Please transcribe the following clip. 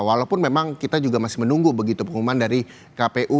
walaupun memang kita juga masih menunggu begitu pengumuman dari kpu